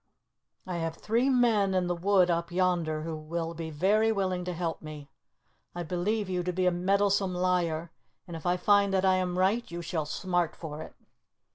I have three men in the wood up yonder who will be very willing to help me. I believe you to be a meddlesome liar, and if I find that I am right you shall smart for it."